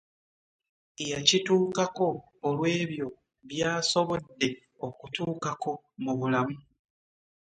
Yakituukako olw'ebyo by'asobodde okutuukako mu bulamu.